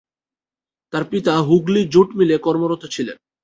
তার পিতা হুগলী জুট মিলে কর্মরত ছিলেন।